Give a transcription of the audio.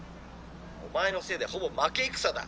お前のせいでほぼ負け戦だ」。